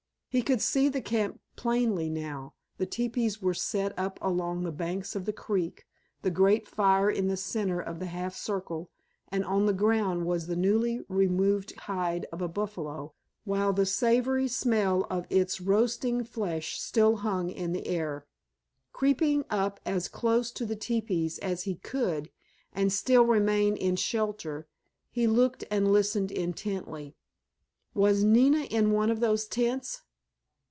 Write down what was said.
He could see the camp plainly now. The teepees were set up along the banks of the creek, the great fire in the centre of the half circle, and on the ground was the newly removed hide of a buffalo, while the savory smell of its roasting flesh still hung in the air. Creeping up as close to the teepees as he could and still remain in shelter he looked and listened intently. _Was Nina in one of those tents?